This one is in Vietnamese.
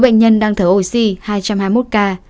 bệnh nhân đang thở oxy hai trăm hai mươi một ca